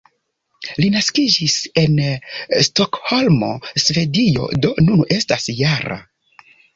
Li naskiĝis en Stokholmo, Svedio, do nun estas -jara.